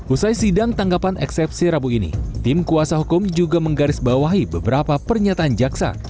usai sidang tanggapan eksepsi rabu ini tim kuasa hukum juga menggarisbawahi beberapa pernyataan jaksa